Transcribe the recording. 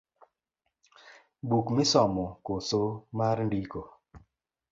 Buk misomo koso mar ndiko?